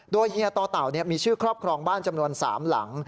โดยเฮียต่อเต่ามีชื่อครอบครองบ้านจำนวน๓หลัง